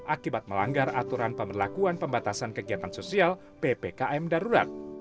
akibat melanggar aturan pemberlakuan pembatasan kegiatan sosial ppkm darurat